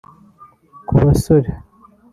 Ku basore